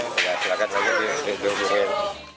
silahkan saja dihubungin